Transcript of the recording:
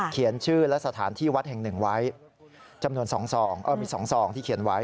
เขียนชื่อและสถานที่วัดแห่งหนึ่งไว้จำนวน๒ซองมี๒ซองที่เขียนไว้